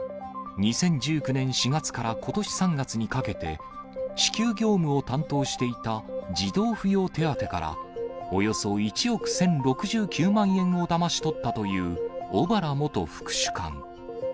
２０１９年４月からことし３月にかけて、支給業務を担当していた児童扶養手当から、およそ１億１０６９万円をだまし取ったという小原元副主幹。